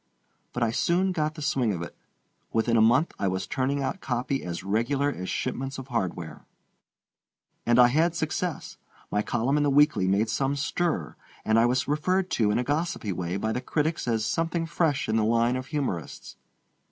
But I soon got the swing of it. Within a month I was turning out copy as regular as shipments of hardware. And I had success. My column in the weekly made some stir, and I was referred to in a gossipy way by the critics as something fresh in the line of humorists.